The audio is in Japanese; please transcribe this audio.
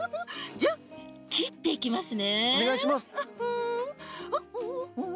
じゃきっていきますね。